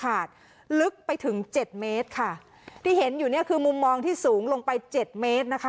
ลึกไปถึงเจ็ดเมตรค่ะที่เห็นอยู่เนี่ยคือมุมมองที่สูงลงไปเจ็ดเมตรนะคะ